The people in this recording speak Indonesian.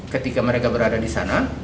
ketika mereka berada disana